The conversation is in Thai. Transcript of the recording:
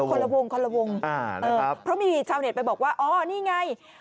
คนละวงคนละวงเพราะมีชาวเน็ตไปบอกว่าอ๋อนี่ไง